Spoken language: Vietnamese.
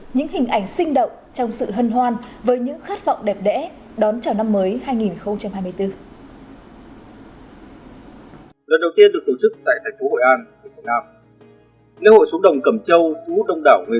những hình ảnh sinh động trong sự hân hoan với những khát vọng đẹp đẽ đón chào năm mới hai nghìn hai mươi bốn